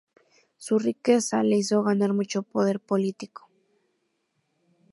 Su riqueza le hizo ganar mucho poder político.